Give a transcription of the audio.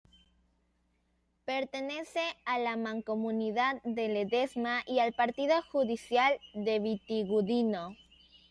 Pertenece a la Mancomunidad de Ledesma y al partido judicial de Vitigudino.